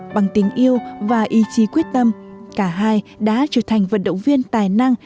bằng tình yêu và ý chí quyết tâm cả hai đã trở thành vận động viên tài năng